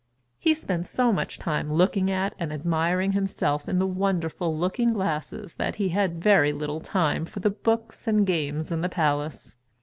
He spent so much time looking at and admiring himself in the wonderful looking glasses that he had very little time for the books and games in the palace.